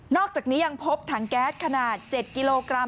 อกจากนี้ยังพบถังแก๊สขนาด๗กิโลกรัม